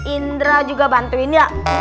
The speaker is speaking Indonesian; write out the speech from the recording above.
indra juga bantuin dia